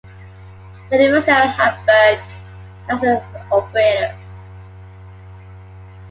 The University of Hamburg acts as an operator.